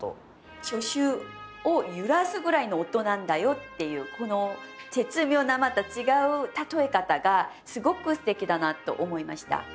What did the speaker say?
初秋を揺らすぐらいの音なんだよっていうこの絶妙なまた違う例え方がすごくすてきだなと思いました。